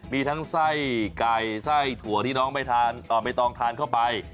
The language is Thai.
มีทั้งไส้ไก่ไส้ถั่วที่น้องใบตองทานเข้าไป